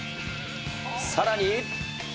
さらに。